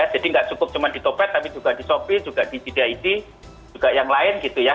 jadi nggak cukup cuma di topet tapi juga di shopee juga di jdid juga yang lain gitu ya